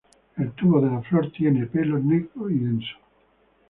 El tubo de la flor tiene pelo negro y denso.